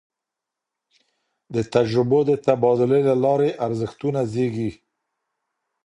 د تجربو د تبادلې له لاري ارزښتونه زېږي.